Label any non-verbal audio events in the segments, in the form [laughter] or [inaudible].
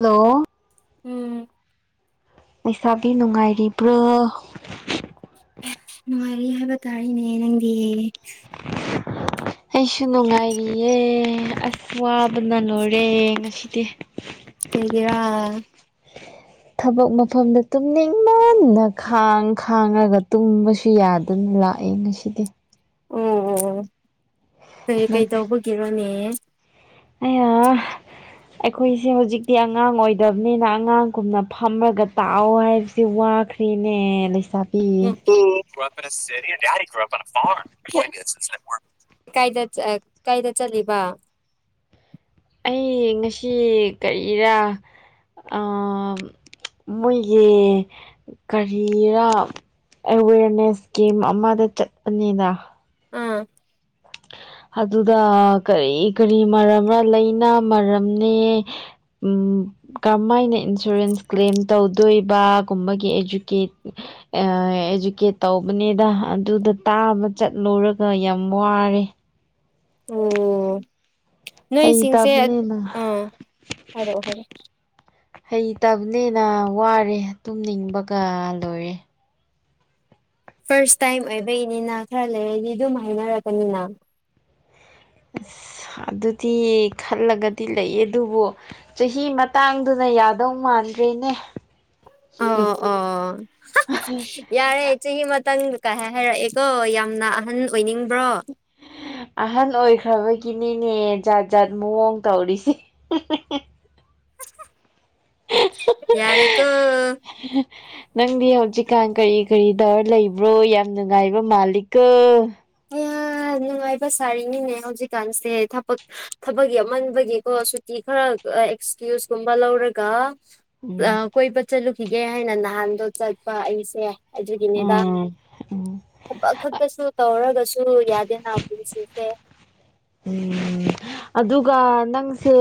Hello. ꯎꯝ꯫ ꯂꯩꯁꯥꯕꯤ ꯅꯨꯡꯉꯥꯏꯔꯤꯕ꯭ꯔ‌ꫭ꯫ ꯅꯨꯡꯉꯥꯏꯔꯤ ꯍꯥꯏꯕ ꯇꯥꯔꯤꯅꯦ ꯅꯪꯗꯤ꯫ ꯑꯩꯁꯨ ꯅꯨꯡꯉꯥꯏꯔꯤꯌꯦ ꯑꯁ ꯋꯥꯕꯅ ꯂꫭꯏꯔꯦ ꯉꯁꯤꯗꯤ꯫ ꯀꯦꯒꯤꯔꯥ ꯊꯕꯛ ꯃꯐꯝꯗ ꯇꯨꯝꯅꯤꯡ ꯃꯟꯅ ꯈꯥꯡ ꯈꯥꯡꯉꯒ ꯇꯨꯝꯕꯁꯨ ꯌꯥꯗꯦ ꯑꯗꯨꯅ ꯂꯥꯛꯑꯦ ꯉꯁꯤꯗꯤ ꯑꯣ ꯀꯩ ꯀꯩ ꯇꯧꯕꯒꯤꯔꯣꯅꯦ ꯑꯌꯥ ꯑꯩꯈꯣꯏꯁꯦ ꯍꯧꯖꯤꯛꯇꯤ ꯑꯉꯥꯡ ꯑꯣꯏꯗꯕꯅꯤꯅ ꯑꯉꯥꯡꯒꯨꯝꯅ ꯐꯝꯃꯒ ꯇꯥꯛꯑꯣ ꯍꯥꯏꯕꯁꯤ ꯋꯥ ꯄꯤ ꯂꯩꯁꯥ [unintelligible] [unintelligible] [unintelligible] [unintelligible] [unintelligible] ꯀꯥꯏꯗ ꯀꯥꯏꯗ ꯆꯠꯂꯤꯕ ꯑꯩ ꯉꯁꯤ ꯀꯔꯤꯔ꯫ ꯑꯥ ꯃꯣꯏꯒꯤ꯫ ꯀꯔꯤꯔꯥ ꯑꯦꯋꯦꯔꯅꯦꯁ ꯀꯦꯝ ꯑꯃꯗ ꯆꯠꯄꯅꯤꯗ꯫ ꯎꯝ ꯑꯗꯨꯗ ꯀꯔꯤ ꯀꯔꯤ ꯃꯔꯝꯔ ꯂꯩꯅꯥ ꯃꯔꯝꯅꯦ꯫ ꯎꯝ꯫ ꯀꯃꯥꯏꯅ ꯏꯟꯁꯨꯔꯦꯟꯁ ꯀ꯭ꯂꯦꯝ ꯇꯧꯗꯣꯏꯕꯒꯨꯝꯕꯒꯤ ꯏꯖꯨꯀꯦꯠ꯫ ꯏꯖꯨꯀꯦꯠ ꯇꯧꯕꯅꯦꯗ ꯑꯗꯨꯗ ꯇꯥꯕ ꯆꯠꯂꯨꯔꯒ ꯌꯥꯝ ꯋꯥꯔꯦ꯫ ꯑꯣ ꯅꯣꯏꯁꯤꯡꯁꯦ ꯍꯩꯇꯕꯅꯤꯅ ꯑꯥ ꯍꯥꯏꯔꯛꯑꯣ ꯍꯥꯏꯔꯛꯑꫭ꯫ ꯍꯩꯇꯕꯅꯦꯅ ꯋꯥꯔꯦ ꯇꯨꯝꯅꯤꯡꯕꯒ ꯂꯣꯏꯔꯦ꯫ ꯐꯥꯔꯁ ꯇꯥꯏꯝ ꯑꯣꯏꯕꯒꯤꯅꯤꯅ ꯈꯔ ꯂꯩꯔꯗꯤ ꯑꯗꯨꯝ ꯍꯥꯏꯅꯔꯛꯀꯅꯤꯅ꯫ ꯑꯁ ꯑꯗꯨꯗꯤ ꯈꯜꯂꯒꯗꯤ ꯂꯩꯌꯦ ꯑꯗꯨꯕꯨ꯫ ꯆꯍꯤ ꯃꯇꯥꯡꯗꯨꯅ ꯌꯥꯗꯧ ꯃꯥꯟꯗ꯭ꯔꯦꯅꯦ꯫ ꯑꯣ ꯑꯣ꯫ ꯌꯥꯔꯦ ꯆꯍꯤ ꯑꯃꯇꯪ ꯀꯥꯏ ꯍꯥꯏꯔꯛꯑꯦꯀꯣ ꯌꯥꯝꯅ ꯑꯍꯟ ꯑꯣꯏꯅꯤꯡꯕ꯭ꯔꯣ꯫ ꯑꯍꯟ ꯑꯣꯏꯈ꯭ꯔꯕꯒꯤꯅꯤꯅꯦ ꯖꯥꯠ ꯖꯥꯠ ꯃꯑꯣꯡ ꯇꯧꯔꯤꯁꯦ꯫ ꯌꯥꯔ‌ꯦꯀꯣ꯫ [unintelligible] ꯅꯪꯗꯤ ꯍꯧꯖꯤꯛꯀꯥꯟ ꯀꯔꯤ ꯀꯔꯤ ꯇꯧꯔ ꯂꯩꯕ꯭ꯔꯣ ꯌꯥꯝ ꯅꯨꯡꯉꯥꯏꯕ ꯃꯥꯂꯤꯛꯀꫭ꯫ ꯌꯥꯝ ꯅꯨꯡꯉꯥꯏꯕ ꯁꯥꯔꯤꯅꯤꯅꯦ ꯍꯧꯖꯤꯛꯀꯥꯟꯁꯦ ꯊꯕꯛ꯫ ꯊꯕꯛ ꯌꯥꯃꯟꯕꯒꯤꯀꯣ ꯁꯨꯇꯤ ꯈꯔ ꯑꯦꯛꯁꯀ꯭ꯌꯨꯁꯀꯨꯝꯕ ꯂꯧꯔꯒ꯫ ꯎꯝ ꯀꯣꯏꯕ ꯆꯠꯂꯨꯈꯤꯒꯦ ꯍꯥꯏꯅ ꯅꯍꯥꯟꯗꯣ ꯆꯠꯄ ꯑꯩꯁꯦ꯫ ꯑꯗꯨꯒꯤꯅꯦꯕ ꯎꯝ ꯎꯝ ꯊꯕꯛ ꯈꯛꯇꯁꯨ꯫ ꯇꯧꯔꯒꯁꯨ ꯌꯥꯗꯦꯅ ꯄꯨꯁꯤꯁꯦ꯫ ꯎꯝ ꯑꯗꯨꯒ ꯅꯪꯁꯦ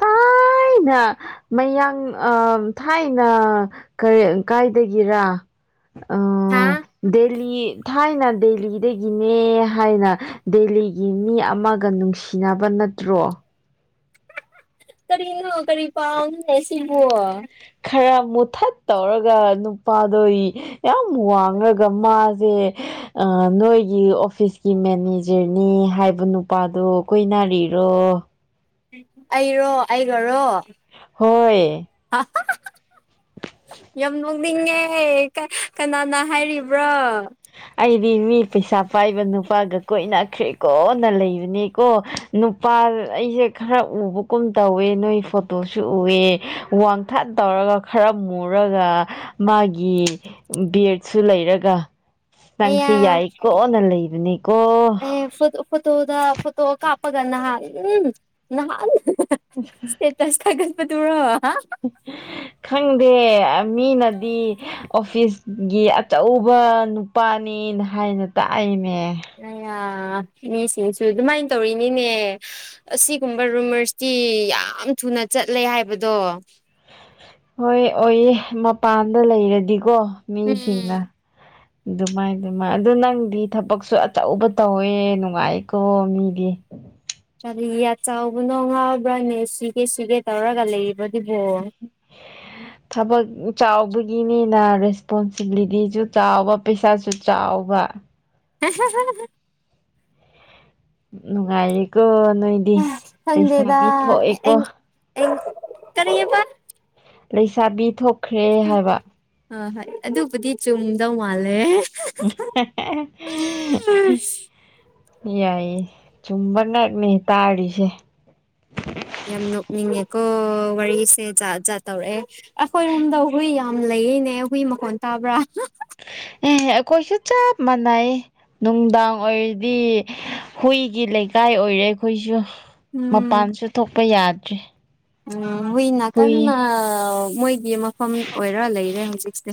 ꯊꯥꯏꯅ꯫ ꯃꯌꯥꯡ ꯑꯥ ꯊꯥꯏꯅ ꯀꯔꯤ ꯀꯥꯏꯗꯒꯤꯔꯥ꯫ ꯑꯥ ꯍꯥꯥ꯫ ꯗꯦꯜꯂꯤ ꯊꯥꯏꯅ ꯗꯦꯜꯂꯤꯗꯒꯤꯅꯦ ꯍꯥꯏꯅ ꯗꯦꯜꯂꯤꯒꯤ ꯃꯤ ꯑꯃ꯫ ꯑꯃꯒ ꯅꯨꯡꯁꯤꯅꯕ ꯅꯠꯇ꯭ꯔꯣ꯫ ꯀꯔꯤꯅꫭ ꯀꯔꯤ ꯄꯥꯎ ꯅꫭꯅ‌ꯦ ꯁꯤꯕꯨ꯫ ꯈꯔ ꯃꯨꯊꯠ ꯇꯧꯔꯒ ꯅꯨꯄꯥꯗꯣ꯫ ꯌꯥꯝ ꯋꯥꯡꯉꯒ ꯃꯥꯖꯦ꯫ ꯑꯥ ꯅꯣꯏꯒꯤ ꯑꯣꯐꯤꯁꯀꯤ ꯃꯦꯅꯦꯖꯔꯅꯤ ꯍꯥꯏꯕ ꯅꯨꯄꯥꯗꯣ ꯀꫭꯏꯅꯔꯤꯔꯣ ꯑꯩꯔꯣ ꯑꯩꯒꯥꯔꯣ ꯍꯣꯏ [inaudible] ꯌꯥꯝ ꯅꯣꯛ ꯅꯤꯡꯉꯦ ꯀꯥ ꯀꯅꯥꯅ ꯍꯥꯏꯔꯤꯕ꯭ꯔꯣ ꯑꯩꯗꯤ ꯃꯤ ꯄꯩꯁꯥ ꯄꯥꯏꯕ ꯅꯨꯄꯥꯒ ꯀꯣꯏꯅꯈ꯭ꯔꯦ ꯀꯣ ꯅ ꯂꯩꯕꯅꯦꯀꯣ ꯅꯨꯄꯥ ꯑꯩꯁꯦ ꯈꯔ ꯎꯕꯒꯨꯝ ꯇꯧꯋꯦ ꯅꯣꯏ ꯐꯣꯇꯣꯁꯨ ꯎꯌꯦ ꯋꯥꯡ ꯊꯠ ꯇꯧꯔꯒ ꯈꯔ ꯃꯨꯔꯒ ꯃꯥꯒꯤ ꯕꯦꯛꯁꯨ ꯂꯩꯔꯒ ꯑꯌꯥ ꯅꯪꯁꯤ ꯌꯥꯏꯀꯣꯅ ꯂꯩꯕꯅꯤꯀꯣ ꯐ [inaudible] ꯐꯣꯇꯣꯗ ꯐꯣꯇꯣ ꯀꯥꯞꯄꯒ ꯅꯍꯥꯥꯟ ꯎꯝ ꯅꯍꯥꯟ꯫ [inaudible] ꯇꯦꯇꯁ ꯊꯥꯒꯠ ꯄꯗꯨꯔꫭ ꯍꯥ꯫ ꯈꯪꯗꯦ ꯃꯤꯅꯗꯤ꯫ ꯑꯣꯐꯤꯁꯒꯤ ꯑꯆꯧꯕ ꯅꯨꯄꯥꯅꯤꯅ ꯍꯥꯏꯅ ꯇꯥꯏꯌ‌ꯦꯅꯦ꯫ ꯑꯌꯥ ꯃꯤꯁꯤꯡꯁꯨ ꯑꯗꯨꯃꯥꯏ ꯇꯧꯔꯤꯅꯤꯅꯦ꯫ ꯑꯁꯤꯒꯨꯝꯕ ꯔꯨꯃꯔꯁꯇꯤ ꯌꯥꯝ ꯊꯨꯅ ꯆꯠꯂꯦ ꯍꯥꯏꯕꯗꯣ꯫ ꯍꯣꯏ ꯑꯣꯏꯌꯦ ꯃꯄꯥꯟꯗ ꯂꯩꯔꯗꯤꯀꯣ ꯃꯤꯁꯤꯡꯅ꯫ ꯎꯝ ꯑꯗꯨꯃꯥꯏꯅ ꯑꯗꯨꯃꯥꯏꯅ ꯑꯗꯨ ꯅꯪꯗꯤ ꯊꯕꯛꯁꯨ ꯑꯆꯧꯕ ꯇꯧꯋꯦ ꯅꯨꯡꯉꯥꯏꯀꯣ ꯃꯤꯗꯤ꯫ ꯀꯔꯤꯒꯤ ꯆꯥꯎꯕꯅꯣ ꯉꯥꯎꯕ꯭ꯔꯥꯅꯦ ꯁꯤꯒꯦ ꯁꯤꯒꯦ ꯇꯧꯔꯒ ꯂꯩꯔꯤꯕꯗꯨꯕꯣ [inaudible] ꯊꯕꯥꯛ ꯆꯥꯎꯕꯒꯤꯅꯤꯅꯥ ꯔꯦꯁꯄꯣꯟꯁꯤꯕꯤꯂꯤꯇꯤꯁꯨ ꯆꯥꯎꯕ ꯄꯩꯁꯥꯁꯨ ꯆꯥꯎꯕꯥ [inaudible] ꯅꯨꯉꯥꯏꯔꯦꯀꯣ ꯅꫭꯏ ꯈꯪꯗꯦꯗ [inaudible] ꯀꯔꯤꯕ ꯂꯩꯁꯥꯕꯤ ꯊꯣꯛ ꯑꯥ ꯍꫭꯏ ꯑꯗꯨꯕꯨꯗꯤ ꯆꯨꯝꯗꯧ ꯃꯥꯜꯂꯦ [inaudible] ꯌꯥꯏꯌꯦ ꯆꯨꯝꯕ ꯉꯥꯛꯅꯦ ꯇꯥꯔꯤꯁꯦ ꯌꯥꯝ ꯅꯣꯛꯅꯤꯡꯉꯦꯀꯣ ꯋꯥꯔꯤꯁꯦ ꯖꯥꯠ ꯖꯥꯠ ꯇꯧꯔꯛꯑꯦ ꯑꯩꯈꯣꯏꯔꯣꯝꯗ ꯍꯨꯏ ꯌꯥꯝ ꯂꯩꯌꯦꯅꯦ ꯍꯨꯏ ꯃꯈꯣꯟ ꯇꯥꯕ꯭ꯔꯥ ꯑꯦ ꯑꯈꯣꯏꯁꯨ ꯆꯞ ꯃꯥꯟꯅꯩꯌꯦ ꯅꯨꯡꯗꯥꯡ ꯑꯣꯏꯔꯗꯤ ꯍꯨꯏꯒꯤ ꯂꯩꯀꯥꯏ ꯑꯣꯏꯔꯦ ꯑꯩꯈꯣꯏꯁꯨ ꯎꯝ ꯃꯄꯥꯟꯁꯨ ꯊꯣꯛꯄ ꯌꯥꯗꯔꯦ ꯎꯝ ꯍꯨꯏꯅꯥꯀꯟꯅ ꯃꯣꯏꯒꯤ ꯃꯐꯝ ꯑꯣꯏꯔ ꯂꯩꯔꯦ ꯍꯧꯖꯤꯛꯁꯦ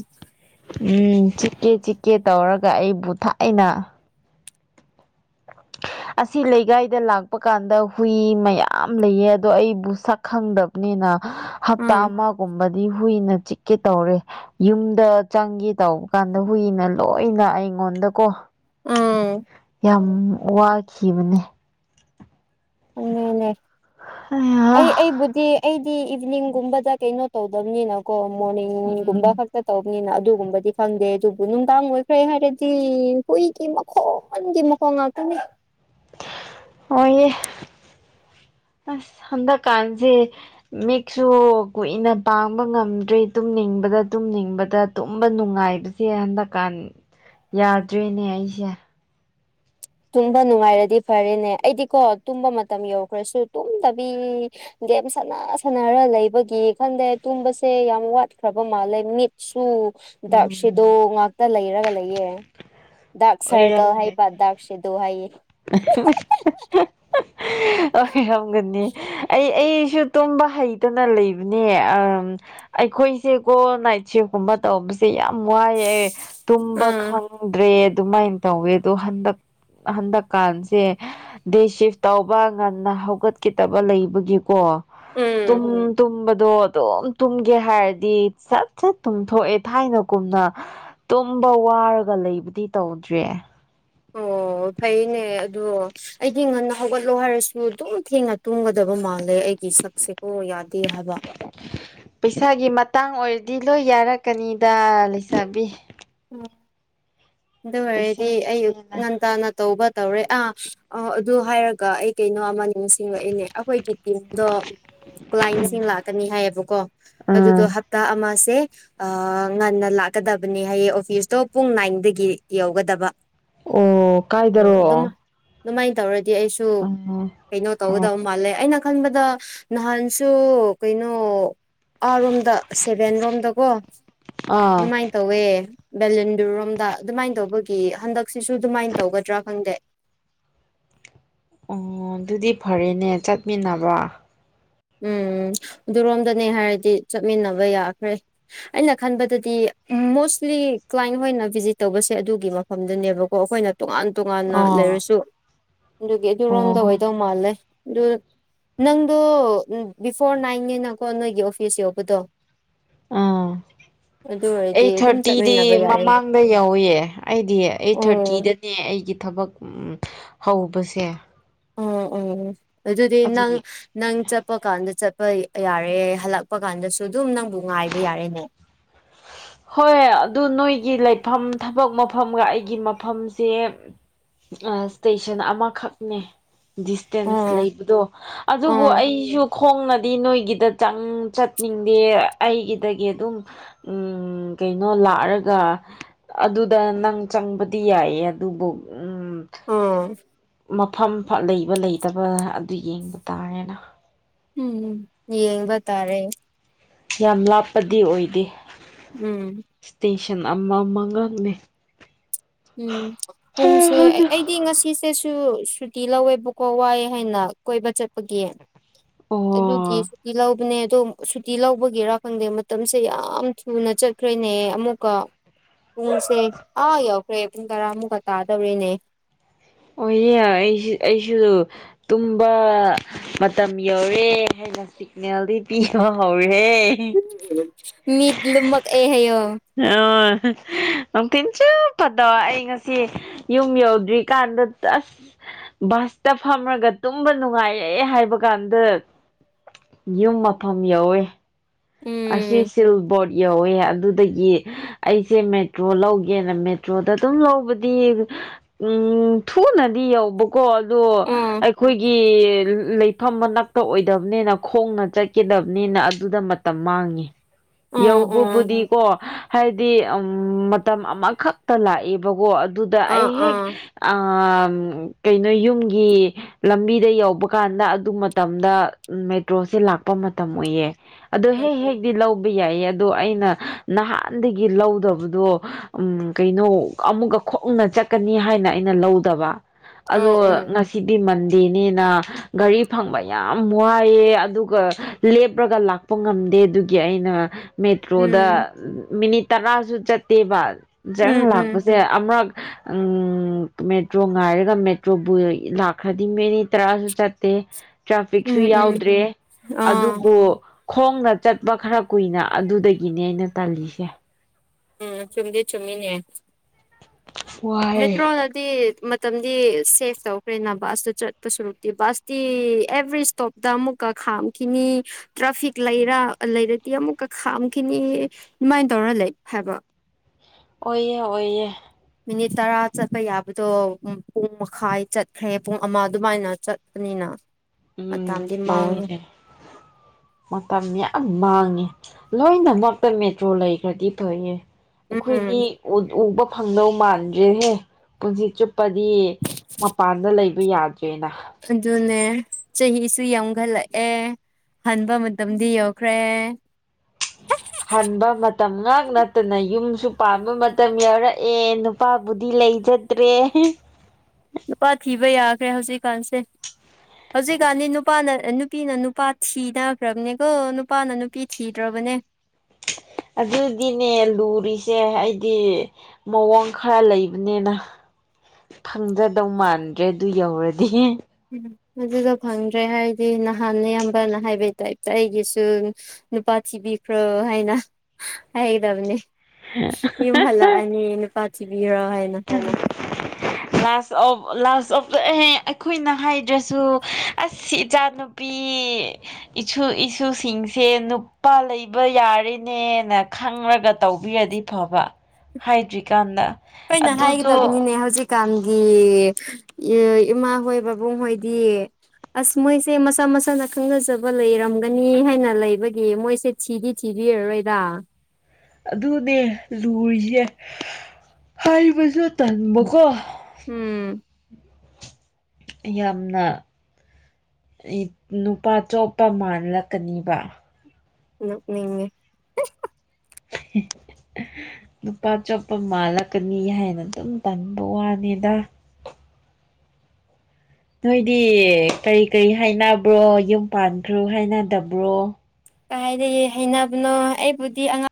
ꯎꯝ ꯆꯤꯛꯀꯦ ꯆꯤꯛꯀꯦ ꯇꯧꯔꯒ ꯑꯩꯕꯨ ꯊꯥꯏꯅ ꯑꯁꯤ ꯂꯩꯀꯥꯏꯗ ꯂꯥꯛꯄ ꯀꯥꯟꯗ ꯍꯨꯏ ꯃꯌꯥꯝ ꯂꯩꯌꯦ ꯑꯗꯣ ꯑꯩꯕꯨ ꯁꯛ ꯈꯪꯗꯕ ꯅꯤꯅ ꯍꯞꯇꯥ ꯎꯝ ꯑꯃꯒꯨꯝꯕꯗꯤ ꯍꯨꯏꯅ ꯆꯤꯛꯀꯦ ꯇꯧꯔꯦ ꯌꯨꯝꯗ ꯆꯪꯒꯦ ꯇꯧꯕ ꯀꯥꯟꯗ ꯍꯨꯏꯅ ꯂꯣꯏꯅ ꯑꯩꯉꯣꯟꯗꯀꯣ ꯎꯝ ꯌꯥꯝ ꯋꯥꯈꯤꯕꯅꯦ ꯅꯦꯅꯦ ꯑꯩ ꯑꯌꯥ ꯑꯩꯕꯨꯗꯤ ꯑꯩꯗꯤ ꯏꯚꯤꯅꯤꯡꯒꯨꯝꯕꯗ ꯀꯩꯅꯣ ꯇꯧꯗꯕꯅꯤꯅꯀꯣ ꯃꯣꯔꯅꯤꯡꯒꯨꯝꯕ ꯎꯝ ꯈꯛ ꯇꯥ ꯇꯧꯕꯅꯤꯅ ꯑꯗꯨꯒꯨꯝꯕꯗꯤ ꯈꯪꯗꯦ ꯑꯗꯨꯕꯨ ꯅꯨꯡꯗꯥꯡ ꯑꯣꯏꯈ꯭ꯔꯦ ꯍꯥꯏꯔꯗꯤ ꯍꯨꯏꯒꯤ ꯃꯈꯣꯟꯒꯤ ꯃꯈꯣꯟ ꯀꫭ ꯉꯥꯛꯇꯅꯤ ꯍꯣꯏꯌꯦ ꯍꯟꯗꯥꯛ ꯀꯥꯟꯖꯤ ꯃꯤꯛꯁꯨ ꯀꯨꯏꯅ ꯄꯥꯡꯕ ꯉꯝꯗ꯭ꯔꯤ ꯇꯨꯝꯅꯤꯡꯕꯗꯥ ꯇꯨꯝꯅꯤꯡꯕꯗꯥ ꯇꯨꯝꯕꯥ ꯅꯨꯡꯉꯥꯏ [unintelligible] ꯍꯟꯗꯛ ꯀꯥꯟ ꯌꯥꯗ꯭ꯔꯦꯅꯦ ꯑꯩꯁꯦ ꯇꯨꯝꯕ ꯅꯨꯡꯉꯥꯏꯔꯗꯤ ꯐꯔꯦꯅꯦ ꯑꯩꯗꯤꯀꯣ ꯇꯨꯝꯕ ꯃꯇꯝ ꯌꯧꯈ꯭ꯔꯁꯨ ꯇꯨꯝꯗꯕꯤ ꯒꯦꯝ ꯁꯥꯟꯅ ꯁꯥꯟꯅꯔ ꯂꯩꯕꯒꯤ ꯈꯟꯗꯦ ꯇꯨꯝꯕꯁꯦ ꯌꯥꯝ ꯋꯥꯠꯈ꯭ꯔꯕ ꯃꯥꯜꯂꯦ ꯃꯤꯠ ꯁꯨ ꯗꯥꯛ ꯁꯦꯗꯣ ꯎꯝ ꯉꯥꯛꯇ ꯂꯩꯔꯒ ꯂꯩꯌꯦ ꯗꯥꯛ ꯑꯣꯏꯔꯝ ꯁꯥꯔꯀꯜ ꯍꯥꯏꯕ ꯗꯥꯛ ꯁꯤꯠ__ ꯗꯣ ꯍꯥꯏꯌꯦ [unintelligible] ꯑꯩ ꯑꯩꯏꯁꯨ ꯇꯨꯝꯕ ꯍꯩꯇꯅ ꯂꯩꯕꯅꯦ ꯑꯥꯝ ꯑꯩꯈꯣꯏꯁꯦꯀꯣ ꯅꯥꯏꯠ ꯁꯤꯐꯀꯨꯝꯕ ꯇꯧꯕꯁꯦ ꯌꯥꯝ ꯋꯥꯏꯑꯦ ꯇꯨꯝꯕ ꯑꯥ ꯈꯪꯗ꯭ꯔꯦ ꯑꯗꯨꯃꯥꯏꯅ ꯇꯧꯋꯦ ꯑꯗꯣ ꯍꯟꯗꯛ ꯍꯟꯗꯛ ꯀꯥꯟꯁꯦ ꯗꯦ ꯁꯤꯐ ꯇꯧꯕ ꯉꯟꯅ ꯍꯧꯒꯠꯀꯗꯕ ꯂꯩꯕꯒꯤꯀꯣ ꯀꯥ__ ꯎꯝ ꯇꯨꯝ ꯇꯨꯝꯕꯗꯣ ꯑꯗꯨꯝ ꯇꯨꯝꯒꯦ ꯍꯥꯏꯔꯗꯤ ꯁꯠ ꯁꯠ ꯇꯨꯝꯊꯣꯛꯑꯦ ꯊꯥꯏꯅ ꯀꯨꯝꯅ__ [unintelligible] ꯇꯨꯝꯕ ꯋꯥꯔꯒ ꯂꯩꯕꯗꯤ ꯇꯧꯗ꯭ꯔꯦ ꯑꯣ ꯐꯩꯌꯦꯅꯦ ꯑꯗꯣ ꯑꯩꯗꯤ ꯉꯟꯅ ꯍꯧꯒꯠꯂꯣ ꯍꯥꯏꯔꯁꯨ ꯑꯗꯨꯝ ꯊꯦꯡꯅ ꯇꯨꯝꯒꯗꯕ ꯃꯥꯜꯂꯦ ꯑꯩꯒꯤ ꯁꯛꯁꯦꯀꯣ ꯌꯥꯗꯦ ꯍꯥꯏꯕ ꯄꯩꯁꯥꯒꯤ ꯃꯇꯥꯡ ꯑꯣꯏꯔꯗꯤ ꯂꯣꯏ ꯌꯥꯔꯛꯀꯅꯤꯗ ꯂꯩꯁꯥꯕꯤ ꯑꯣ ꯑꯗꯨ ꯑꯣꯏꯔꯗꯤ ꯑꯌꯨꯛ ꯄꯩꯁꯥꯒꯤꯅꯦꯅ ꯉꯟꯇꯥꯅ ꯇꯧꯕ ꯇꯧꯔꯦ ꯑꯥ ꯑ ꯑꯗꯨ ꯍꯥꯏꯔꯒ ꯑꯩ ꯀꯩꯅꯣ ꯑꯃ__ [unintelligible] ꯅꯤꯡꯁꯤꯡꯂꯛ ꯑꯦꯅꯦ ꯑꯩꯈꯣꯏꯒꯤ ꯇꯤꯝꯗꯣ ꯀ꯭ꯂꯥꯏꯟꯁꯤꯡ ꯂꯥꯛ__ ꯀꯅꯤ ꯍꯥꯏꯌꯦꯕꯥ ꯀꯣ ꯑꯗꯨꯗꯣ ꯑꯥ ꯍꯞꯇꯥ ꯑꯃꯥ ꯁꯦ ꯉꯟꯅ ꯂꯥꯛꯀꯗꯕꯅꯦ ꯍꯥꯏꯌꯦ__ [unintelligible] ꯑꯣꯐꯤꯁꯇꯣ ꯄꯨꯡ ꯅꯥꯏꯟꯗꯒꯤ ꯌꯧꯒꯗꯕ ꯑꯣ ꯎꯝ ꯀꯥꯏꯗꯔꯣ ꯑꯗꯨꯝ__ ꯑꯣ ꯑꯗꯨꯃꯥꯏꯅꯥ ꯇꯧꯔꯗꯤ ꯑꯩꯁꯨ ꯀꯩꯅꯣ ꯑꯣ ꯇꯧꯒꯗꯕ ꯃꯥꯜꯂꯦ ꯑꯩꯅꯥ__ ꯈꯟꯕꯗꯥ ꯅꯍꯥꯟꯁꯨ ꯀꯩꯅꯣ ꯑꯥꯔꯣꯝꯗ ꯁꯦꯚꯦꯟ ꯔꯣꯝꯗꯀꯣ ꯑꯥ ꯑꯗꯨꯃꯥꯏꯅ ꯇꯧꯋꯦ ꯕꯦꯂꯟꯗꯨꯔꯔꯣꯝꯗ ꯑꯗꯨꯃꯥꯏꯅ ꯇꯧꯕꯒꯤ ꯍꯟꯗꯛꯁꯤꯁꯨ ꯑꯗꯨꯃꯥꯏꯅ ꯇꯧꯒꯗ꯭ꯔꯥ ꯈꯪꯗꯦ ꯑꯣ ꯑꯗꯨꯗꯤ ꯐꯔꯦꯅꯦ ꯆꯠꯃꯤꯟꯅꯕ ꯎꯝ ꯑꯗꯨꯔꯣꯝꯗꯅꯦ ꯍꯥꯏꯔꯗꯤ ꯆꯠꯃꯤꯟꯅꯕ ꯌꯥꯈ꯭ꯔꯦ ꯑꯩꯅ ꯈꯟꯕꯗꯗꯤ ꯃꯣꯁꯂꯤ ꯀ꯭ꯂꯥꯏꯟ ꯍꯣꯏꯅ ꯚꯤꯖꯤꯠ ꯇꯧꯕꯁꯦ ꯑꯗꯨꯒꯤ ꯋꯥꯐꯝꯗꯅꯦꯕꯀꯣ ꯑꯩꯈꯣꯏꯅ ꯇꯣꯉꯥꯟ ꯇꯣꯉꯥꯟꯅ ꯑꯥ ꯂꯩꯔꯁꯨ ꯑꯗꯨꯒꯤ ꯑꯗꯨꯔꯣꯝꯗ ꯑꯣꯏꯅ ꯑꯣ ꯇꯣꯛ__ [unintelligible] ꯃꯥꯜꯂꯦ ꯗꯨꯏ ꯅꯪꯗꯨ [unintelligible] ꯎꯝ ꯕꯤꯐꯣꯔ ꯅꯥꯏꯟꯅꯦꯅꯥꯀꯣ ꯅꯣꯏꯒꯤ ꯑꯣꯐꯤꯁ ꯌꯧꯕꯗꯣ ꯑꯥ ꯑꯗꯨ ꯑꯣꯏꯔꯗꯤ ꯑꯗꯨꯝ ꯆꯠꯃꯤꯟꯅꯕ ꯌꯥꯔꯦ ꯑꯗ ꯌꯧꯌꯦ ꯑꯩꯗꯤ ꯑꯥꯏꯠ ꯊꯥꯔꯇꯤꯗꯅꯦ ꯑꯩꯒꯤ ꯊꯕꯛ ꯎꯝ__ ꯍꯧꯕꯁꯦ ꯑꯣ ꯑꯣ ꯑꯗꯨꯗꯤ ꯅꯪ ꯑꯗꯨꯒꯤ ꯅꯪ ꯆꯠꯄ ꯀꯥꯟꯗ ꯆꯠꯄ ꯌ ꯌꯥꯔꯦ ꯍꯜꯂꯛꯄ ꯀꯥꯟꯗꯁꯨ ꯑꯗꯨꯝ ꯅꯪꯕꯨ ꯉꯥꯏꯕ ꯌꯥꯔꯦꯅꯦ ꯍꯣꯏ ꯑꯗꯨ ꯅꯣꯏꯒꯤ ꯂꯩꯐꯝ ꯊꯕꯛ ꯃꯐꯝꯒ ꯑꯩꯒꯤ ꯃꯐꯝꯁꯦ ꯑ ꯏꯁꯇꯦꯁꯟ ꯑꯃꯈꯛꯅꯦ ꯗꯤꯁꯇꯦꯟꯁ ꯑꯣ ꯂꯩꯕꯗꯣ ꯑꯗꯨꯕꯨ ꯑꯣ ꯑꯩꯁꯨ ꯈꯣꯡꯅꯗꯤ ꯅꯣꯏꯒꯤꯗ ꯆꯪ ꯆꯠꯅꯤꯡꯗꯦ ꯑꯩꯒꯤꯗꯒꯤ ꯑꯗꯨꯝ ꯎꯝ__ ꯎꯝ ꯀꯩꯅꯣ ꯂꯥꯛꯔꯒ ꯑꯗꯨꯗ ꯅꯪ ꯆꯪꯕꯗꯤ ꯌꯥꯏꯌꯦ ꯑꯗꯨꯕꯨ ꯎꯝ ꯑꯥ ꯃꯐꯝ ꯐ ꯂꯩꯕ ꯂꯩꯇꯕ ꯑꯗꯨ ꯌꯦꯡꯕ ꯇꯥꯔꯦꯅ ꯎꯝ ꯌꯦꯡꯕ ꯇꯥꯔꯦ ꯌꯥꯝ ꯂꯥꯞꯄꯗꯤ ꯑꯣꯏꯗꯦ ꯎꯝ ꯏꯁꯇꯦꯁꯟ ꯑꯃ ꯑꯃꯉꯥꯛꯅꯦ ꯎꯝ ꯄꯨꯟꯁꯦ ꯑꯩꯗꯤ ꯉꯁꯤ ꯐꯤꯁꯁꯦꯁꯨ ꯁꯨꯇꯤ ꯂꯧꯋꯦꯕꯀꯣ ꯋꯥꯏꯌꯦ ꯍꯥꯏꯅ ꯀꯣꯏꯕ ꯆꯠꯄꯒꯤ ꯑꯗꯨꯗꯤ ꯑꯣ ꯁꯨꯇꯤ ꯂꯧꯕꯅꯦ ꯑꯗꯨꯝ ꯁꯨꯇꯤ ꯂꯧꯕꯒꯤꯔꯥ ꯈꯪꯗꯦ ꯃꯇꯝꯁꯦ ꯌꯥꯝ ꯊꯨꯅ ꯆꯠꯈ꯭ꯔꯦꯅꯦ ꯑꯃꯨꯛꯀ ꯄꯨꯡꯁꯦ ꯑꯥ ꯌꯧꯈ꯭ꯔꯦ ꯄꯨꯡ ꯇꯔꯥ ꯑꯃꯨꯛꯀ ꯇꯥꯗꯧꯔꯦꯅꯦ ꯑꯣꯌꯦ ꯑꯩ [unintelligible] ꯑꯩꯁꯨ ꯇꯨꯝꯕ ꯃꯇꯝ ꯌꯧꯔꯦ ꯍꯥꯏꯅ ꯁꯤꯒꯅꯦꯜꯗꯤ ꯄꯤꯕ ꯍꯧꯔꯦ ꯃꯤꯠ ꯂꯨꯝꯃꯛꯑꯦ ꯍꯥꯏꯌꯣ ꯑꯣ ꯅꯨꯡꯊꯤꯟ ꯆꯨꯞꯄꯗꯣ ꯑꯩ ꯉꯁꯤ ꯌꯨꯝ ꯌꯧꯗ꯭ꯔꯤꯀꯥꯟꯗ ꯇꯁ ꯕꯁꯇ ꯐꯝꯃꯒ ꯇꯨꯝꯕ ꯅꯨꯡꯉꯥꯏꯌꯦ ꯍꯥꯏꯕ ꯀꯥꯟꯗ ꯌꯨꯝ ꯃꯐꯝ ꯌꯧꯋꯦ ꯎꯝ ꯑꯁꯤꯁꯨ ꯕꯣꯔꯗ ꯌꯧꯋꯦ ꯑꯗꯨꯗꯒꯤ ꯑꯩꯁꯦ ꯃꯦꯇ꯭ꯔꯣ ꯂꯧꯒꯦꯅ ꯃꯦꯇ꯭ꯔꯣꯗ ꯑꯗꯨꯝ ꯂꯧꯕꯗꯤ ꯎꯝ ꯊꯨꯅꯗꯤ ꯌꯧꯕꯀꯣ ꯑꯗꯣ ꯑꯥ ꯑꯩꯈꯣꯏꯒꯤ ꯂꯩꯐꯝ ꯃꯅꯛꯄ ꯑꯣꯏꯗꯕꯅꯤꯅ ꯈꯣꯡꯅ ꯆꯠꯀꯗꯕꯅꯤꯅ ꯑꯗꯨꯗ ꯃꯇꯝ ꯃꯥꯡꯉꯤ ꯑꯥ ꯑꯥ ꯌꯧꯕꯕꯨꯗꯤꯀꯣ ꯍꯥꯏꯗꯤ ꯑꯝ ꯃꯇꯝ ꯑꯃꯈꯛꯇ ꯂꯥꯛꯑꯦꯕꯀꯣ ꯑꯗꯨꯗ ꯑꯥ ꯑꯩ ꯍꯦꯛ ꯑꯥ ꯑ ꯀꯩꯅꯣ ꯌꯨꯝꯒꯤ ꯂꯝꯕꯤꯗ ꯌꯧꯕ ꯀꯥꯟꯗ ꯑꯗꯨ ꯃꯇꯝꯗ ꯃꯦꯇ꯭ꯔꯣꯁꯦ ꯂꯥꯛꯄ ꯃꯇꯝ ꯑꯣꯏꯌꯦ ꯑꯗꯣ ꯍꯦꯛ ꯍꯦꯛꯗꯤ ꯂꯧꯕ ꯌꯥꯏꯌꯦ ꯑꯗꯣ ꯑꯩꯅ ꯅꯍꯥꯟꯗꯒꯤ ꯂꯧꯗꯕꯗꯣ ꯎꯝ ꯀꯩꯅꯣ ꯑꯃꯨꯛꯀ ꯈꯣꯡꯅ ꯆꯠꯀꯅꯤ ꯍꯥꯏꯅ ꯑꯩꯅ ꯂꯧꯗꯕ ꯑꯥ ꯑꯗꯣ ꯑꯥ ꯉꯁꯤꯗꯤ ꯃꯟ ꯗꯦꯅꯤꯅ ꯒꯥꯔꯤ ꯐꯪꯕ ꯌꯥꯝ ꯋꯥꯏꯌꯦ ꯑꯗꯨꯒ ꯂꯦꯞꯄ꯭ꯔꯒ ꯂꯥꯛ ꯄꯨꯡ ꯑꯝꯗꯤ ꯑꯗꯨꯒꯤ ꯑꯩꯅ ꯎꯝ ꯃꯦꯇ꯭ꯔꯣꯗ ꯃꯤꯅꯤꯠ ꯇꯔꯥꯁꯨ ꯆꯠꯇꯦꯕ ꯖꯡ ꯎꯝ ꯂꯥꯛꯄꯁꯦ ꯑꯃꯛ ꯑꯝ ꯃꯦꯇ꯭ꯔꯣ ꯉꯥꯏꯔꯒ ꯃꯦꯇ꯭ꯔꯣꯕꯨ ꯂꯥꯛꯈ꯭ꯔꯗꯤ ꯃꯤꯅꯤꯠ ꯇꯔꯥꯁꯨ ꯆꯠꯇꯦ ꯎꯝ ꯇ꯭ꯔꯥꯐꯤꯛꯁꯨ ꯎꯝ ꯎꯝ ꯌꯥꯎꯗ꯭ꯔꯦ ꯑꯥ ꯑꯗꯨꯕꯨ ꯈꯣꯡꯅ ꯆꯠꯄ ꯈꯔ ꯀꯨꯏꯅ ꯑꯗꯨꯗꯒꯤꯅꯦ ꯑꯩꯅ ꯇꯜꯂꯤꯁꯦ ꯎꯝ ꯆꯨꯝꯗꯤ ꯆꯨꯝꯃꯤꯅꯦ ꯋꯥꯏ ꯃꯦꯠꯇ꯭ꯔꯣ [unintelligible] ꯇꯤ ꯃꯇꯝꯗꯤ ꯁꯦꯐ ꯇꯧꯈ꯭ꯔꯦꯅ ꯕꯁꯇꯨ ꯆꯠꯄ ꯁꯔꯨꯛꯇꯤ ꯕꯁꯇꯤ ꯑꯦꯚ꯭ꯔꯤ ꯏꯁꯇꯣꯞ ꯇ ꯃꯨꯛꯀ ꯈꯥꯝꯈꯤꯅꯤ ꯇ꯭ꯔꯥꯐꯤꯛ ꯂꯩꯔ ꯂꯩꯔꯗꯤ ꯑꯃꯨꯛꯀ ꯈꯥꯝꯈꯤꯅꯤ ꯑꯗꯨꯃꯥꯏꯅ ꯇꯧꯔ ꯂꯩ ꯍꯥꯏꯕ ꯑꯣꯏꯌꯦ ꯑꯣꯏꯌꯦ ꯃꯤꯅꯤꯠ ꯇꯔꯥ ꯆꯠꯄ ꯌꯥꯕꯗꯣ ꯄꯨꯡ ꯃꯈꯥꯏ ꯆꯠꯈ꯭ꯔꯦ ꯄꯨꯡ ꯑꯃ ꯑꯗꯨꯃꯥꯏꯅ ꯆꯠꯄꯅꯤꯅ ꯎꯝ ꯃꯇꯝꯗꯤ ꯃꯥꯡꯉꯦ [unintelligible] ꯃꯇꯝ ꯌꯥꯝ ꯃꯥꯡꯉꯦ ꯂꯣꯏꯅꯃꯛꯇ ꯃꯦꯇ꯭ꯔꯣ ꯂꯩꯈ꯭ꯔꯗꯤ [unintelligible] ꯌꯦ ꯎꯝ ꯑꯩꯈꯣꯏꯗꯤ ꯎ ꯎꯕ ꯐꯪꯗꯧ ꯃꯥꯟꯗ꯭ꯔꯦꯅꯦ ꯄꯨꯟꯁꯤ ꯆꯨꯞꯄꯗꯤ ꯃꯄꯥꯟꯗ ꯂꯩꯕ ꯌꯥꯗ꯭ꯔꯦꯅ ꯑꯗꯨꯅꯦ ꯆꯍꯤꯁꯨ ꯌꯥꯝꯒꯠꯂꯛꯑꯦ ꯍꯟꯕ ꯃꯇꯝꯗꯤ ꯌꯧꯈ꯭ꯔꯦ ꯍꯟꯕ ꯃꯇꯝ ꯉꯥꯛ ꯅꯠꯇꯅ ꯌꯨꯝꯁꯨ ꯄꯥꯟꯕ ꯃꯇꯝ ꯌꯧꯔꯛꯑꯦ ꯅꯨꯄꯥꯕꯨꯗꯤ ꯂꯩꯖ ꯇ꯭ꯔꯦ ꯅꯨꯄꯥ ꯊꯤꯕ ꯌꯥꯈ꯭ꯔꯦ ꯍꯧꯖꯤꯛꯀꯥꯟꯁꯦ ꯍꯧꯖꯤꯛꯀꯥꯟꯗꯤ ꯅꯨꯄꯥꯅ ꯑ ꯅꯨ ꯅꯨꯄꯤꯅ ꯅꯨꯄꯥ ꯊꯤꯅꯈ꯭ꯔꯕꯅꯦꯀꯣ ꯅꯨꯄꯥꯅ ꯅꯨꯄꯤ ꯊꯤꯗ꯭ꯔꯕꯅꯦ ꯑꯗꯨꯗꯤꯅꯦ ꯂꯨꯔꯤꯁꯦ ꯑꯩꯗꯤ ꯃꯑꯣꯡ ꯈꯔ ꯂꯩꯕꯅꯦꯅ ꯐꯪꯗ꯭ꯔꯗꯧ ꯃꯥꯟꯗ꯭ꯔꯦ ꯑꯗꯨ ꯌꯧꯔꯗꯤ ꯎꯝ ꯑꯗꯨꯗꯣ ꯐꯪꯗ꯭ꯔꯦ ꯍꯥꯏꯗꯤ ꯅꯍꯥꯟ ꯅꯌꯥꯝꯕꯅ ꯍꯥꯏꯕꯩ ꯇꯥꯏꯄꯇ ꯑꯩꯒꯤꯁꯨ ꯅꯨꯄꯥ ꯊꯤꯕꯤꯈ꯭ꯔꯣ ꯍꯥꯏꯅ ꯍꯥꯏꯒꯗꯕꯅꯦ [unintelligible] ꯌꯨꯝ ꯍꯜꯂꯛꯑꯅꯤ ꯅꯨꯄꯥ ꯊꯤꯕꯤꯔꯣ ꯍꯥꯏꯅ [unintelligible] ꯂꯥꯁ ꯑꯣꯞ ꯂꯥꯁ [unintelligible] ꯑꯦ ꯑꯩꯈꯣꯏꯅ ꯍꯥꯏꯗ꯭ꯔꯁꯨ ꯑꯁ ꯏꯆꯥꯅ [unintelligible] ꯏꯁꯨ ꯏꯁꯨꯁꯤꯡꯁꯦ ꯅꯨꯄꯥ ꯂꯩꯕ ꯌꯥꯔꯦꯅꯦꯅ ꯈꯪꯂꯒ ꯇꯧꯕꯤꯔꯗꯤ ꯐꯕ ꯍꯥꯏꯗ꯭ꯔꯤꯀꯥꯟꯗ ꯑꯩꯈꯣꯏꯅ ꯑꯗꯨꯗꯣ ꯍꯥꯏꯒꯗꯕꯅꯤꯅꯦ ꯍꯧꯖꯤꯛ ꯀꯥꯟꯒꯤ ꯏꯃꯥꯍꯣꯏ ꯕꯥꯕꯨꯡꯍꯣꯏꯗꯤ ꯑꯁ ꯃꯣꯏꯁꯦ ꯃꯁꯥ ꯃꯁꯥꯅ ꯈꯪꯅꯖꯕ ꯂꯩꯔꯝꯒꯅꯤ ꯍꯥꯏꯅ ꯂꯩꯕꯒꯤ ꯃꯣꯏꯁꯦ ꯊꯤꯗꯤ ꯊꯤꯕꯤꯔꯔꯣꯏꯗ ꯑꯗꯨꯅꯦ ꯂꯨꯔꯤꯁꯦ ꯍꯥꯏꯕꯁꯨ ꯇꯟꯕꯀꯣ ꯎꯝ ꯌꯥꯝꯅ ꯅꯨꯄꯥ ꯆꯣꯞꯄ ꯃꯥꯜꯂꯛꯀꯅꯤꯕ ꯎꯔꯛꯅꯤꯡꯉꯦ [unintelligible] ꯅꯨꯨꯄꯥ ꯆꯣꯞꯄ ꯃꯥꯜꯂꯛꯀꯅꯤ ꯍꯥꯏꯅ ꯑꯗꯨꯝ ꯇꯟꯕ ꯋꯥꯅꯤꯗ ꯅꯣꯏꯗꯤ ꯀꯔꯤ ꯀꯔꯤ ꯍꯥꯏꯅꯕ꯭ꯔꯣ ꯌꯨꯝ ꯄꯥꯟꯈ꯭ꯔꯣ ꯍꯥꯏꯅꯗꯕ꯭ꯔꯣ ꯀꯥꯏꯗꯒꯤ ꯍꯥꯏꯅꯕꯅꯣ ꯑꯩꯕꯨꯗꯤ ꯑꯉꯥꯡ